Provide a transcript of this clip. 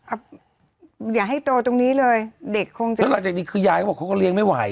อย่าให้โตตรงนี้เลยเด็กคงจะแล้วหลังจากนี้คือยายเขาบอกเขาก็เลี้ยงไม่ไหว